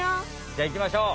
じゃあいきましょう！